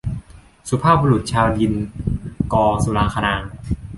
สุภาพบุรุษชาวดิน - ก สุรางคนางค์